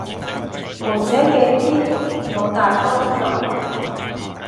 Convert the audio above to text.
和這幾天我大哥的作爲，